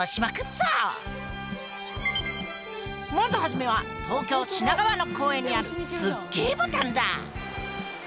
さああちこちのまず初めは東京・品川の公園にあるすっげえボタンだ！